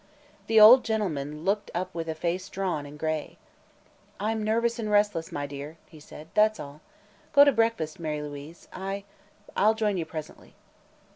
The old gentleman looked up with a face drawn and gray. "I'm nervous and restless, my dear," he said; "that's all. Go to breakfast, Mary Louise; I I'll join you presently."